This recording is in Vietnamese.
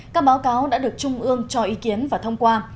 các báo cáo đã được trung ương cho ý kiến và thông qua